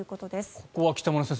ここは北村先生